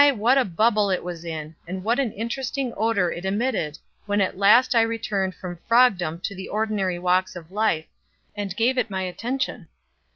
what a bubble it was in, and what an interesting odor it emitted, when at last I returned from frogdom to the ordinary walks of life, and gave it my attention.